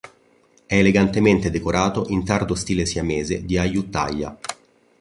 È elegantemente decorato in tardo stile siamese di Ayutthaya.